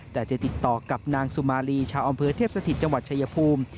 แต่จะติดต่อกับนางสุมารีชาวอำเภอเทพสถิตจังหวัดชายภูมิ